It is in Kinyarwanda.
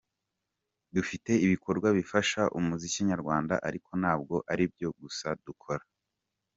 Dufite ibikorwa bifasha umuziki nyarwanda ariko ntabwo aribyo gusa dukora.